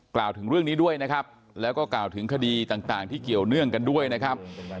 กล่าวถึงเรื่องนี้ด้วยนะครับแล้วก็กล่าวถึงคดีต่างที่เกี่ยวเนื่องกันด้วยนะครับ